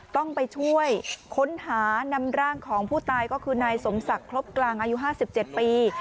ต้องไปช่วยค้นหานำร่างของผู้ตายก็คือนายสมศักดิ์ครบกลางอายุ๕๗ปี